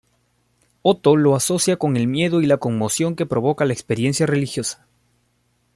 Otto lo asocia con el miedo y la conmoción que provoca la experiencia religiosa.